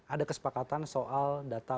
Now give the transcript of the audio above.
ada kesepakatan soal data